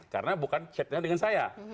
karena bukan chatnya dengan saya